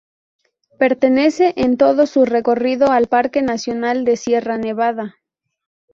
Pertenece en todo su recorrido al Parque nacional de Sierra Nevada.